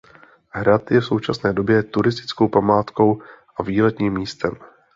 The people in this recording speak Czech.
Hrad je v současné době turistickou památkou a výletním místem.